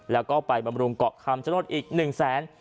แล้วก็ไปบำรุงเกาะคำจนดอดอีกหนึ่งแสน